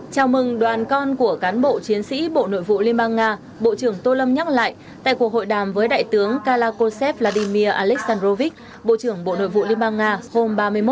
chào mừng đoàn con của cán bộ chiến sĩ bộ nội vụ liên bang nga bộ trưởng tô lâm nhắc lại tại cuộc hội đàm với đại tướng kalakosev vladimir aleksandrovich bộ trưởng bộ nội vụ liên bang nga hôm ba mươi một